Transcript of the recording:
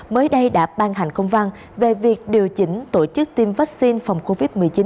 mới đây đã ban hành công văn về việc điều chỉnh tổ chức tiêm vaccine phòng covid một mươi chín